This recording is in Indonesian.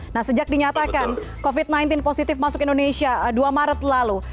nah sejak dinyatakan covid sembilan belas positif masuk indonesia dua maret lalu